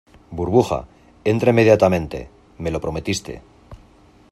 burbuja, entra inmediatamente. me lo prometiste .